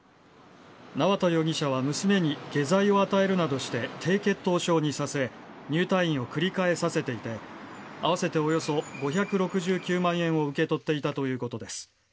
縄田容疑者は娘に下剤を与えるなどして低血糖症にさせ入退院を繰り返させていて合わせておよそ５６９万円を受け取っていたということです。